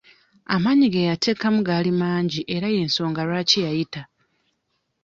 Amaanyi ge yateekamu gaali mangi era y'ensonga lwaki yayita.